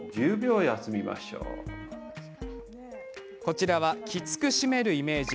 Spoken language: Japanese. こちらは、きつく締めるイメージ。